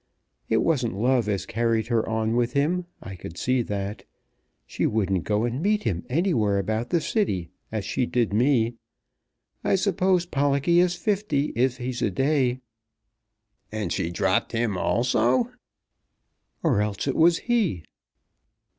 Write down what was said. It wasn't love as carried her on with him. I could see that. She wouldn't go and meet him anywhere about the City, as she did me. I suppose Pollocky is fifty, if he's a day." "And she dropped him also?" "Or else it was he."